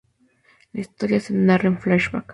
La historia se narra en flashback.